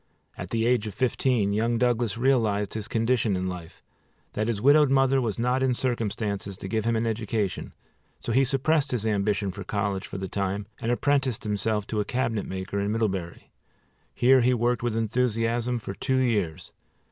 At the age of fifteen young Douglas realized his condition in life, that his widowed mother was not in circumstances to give him an education, so he suppressed his ambition for college for the time, and apprenticed himself to a cabinet maker in Middlebury. Here he worked with enthusiasm for two years.